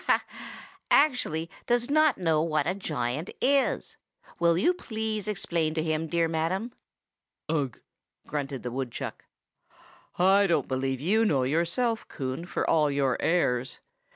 ha!—actually does not know what a giant is! Will you kindly explain to him, dear madam?" "Ugh!" grunted the woodchuck. "I don't believe you know yourself, Coon, for all your airs!